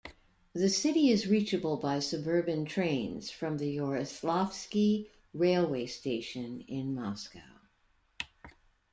The city is reachable by suburban trains from the Yaroslavsky railway station in Moscow.